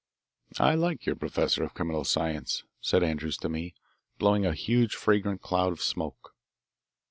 "I like your professor of criminal science;" said Andrews to me, blowing a huge fragrant cloud of smoke.